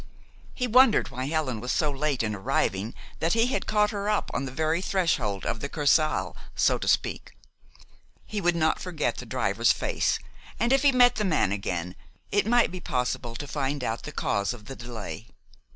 He wondered why Helen was so late in arriving that he had caught her up on the very threshold of the Kursaal, so to speak. He would not forget the driver's face, and if he met the man again, it might be possible to find out the cause of the delay.